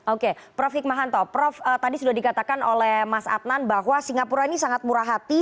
oke prof hikmahanto prof tadi sudah dikatakan oleh mas adnan bahwa singapura ini sangat murah hati